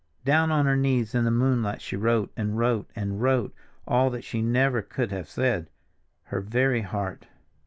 Down on her knees in the moonlight she wrote, and wrote, and wrote, all that she never could have said—her very heart.